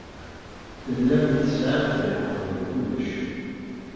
Tellamt tesɛamt lḥeqq deg kullec.